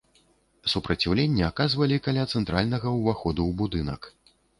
Супраціўленне аказвалі каля цэнтральнага ўваходу ў будынак.